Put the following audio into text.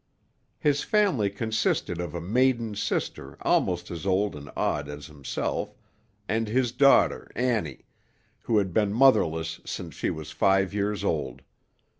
His family consisted of a maiden sister almost as old and odd as himself, and his daughter Annie, who had been motherless since she was five years old.